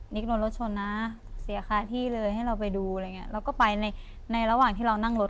โดนรถชนนะเสียค่าที่เลยให้เราไปดูอะไรอย่างเงี้ยเราก็ไปในในระหว่างที่เรานั่งรถ